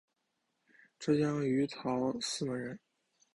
浙江余姚泗门人。